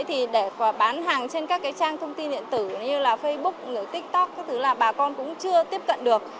thì để bán hàng trên các cái trang thông tin điện tử như là facebook tiktok các thứ là bà con cũng chưa tiếp cận được